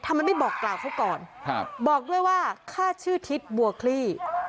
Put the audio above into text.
ทำไมไม่บอกกล่าวเขาก่อนครับบอกด้วยว่าข้าชื่อทิศบัวคลี่